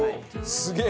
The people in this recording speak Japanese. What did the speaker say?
すげえ！